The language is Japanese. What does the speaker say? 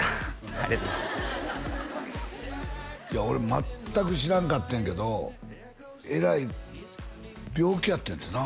ありがとうございますいや俺全く知らんかってんけどえらい病気やったんやってな？